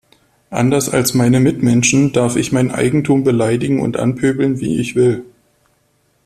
Anders als meine Mitmenschen darf ich mein Eigentum beleidigen und anpöbeln, wie ich will.